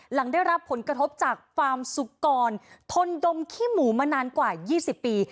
หลังได้รับผลกระทบจากฟาร์มสุกรทนดมขี้หมูมานานกว่า๒๐ปี